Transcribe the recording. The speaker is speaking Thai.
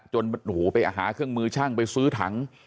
ไปหาเครื่องมือช่างไปซื้อถัง